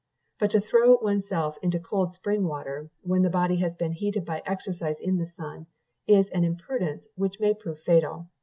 But to throw one's self into cold spring water, when the body has been heated by exercise in the sun, is an imprudence which may prove fatal.